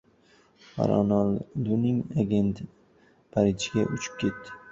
Ronalduning agenti Parijga uchib ketdi